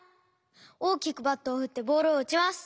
おおきくバットをふってボールをうちます。